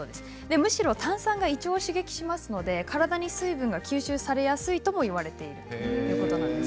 むしろ炭酸が胃腸を刺激しますので体に水分が吸収されやすいともいわれています。